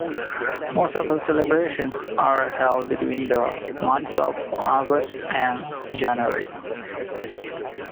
Most of the celebrations are held between the months of August and January.